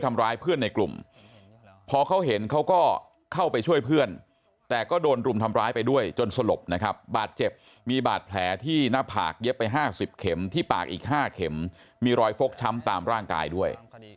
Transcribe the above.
มีบาดแผลที่หน้าผากเย็บไป๕๐เข็มที่ปากอีก๕เข็มมีรอยฟกช้ำตามร่างกายด้วย